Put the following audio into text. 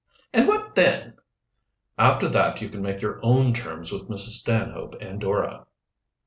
"And what then?" "After that you can make your own terms with Mrs. Stanhope and Dora."